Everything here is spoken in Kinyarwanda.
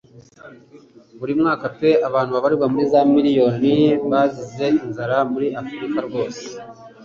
Buri mwaka pe abantu babarirwa muri za miriyoni bazize inzara muri Afurika rwose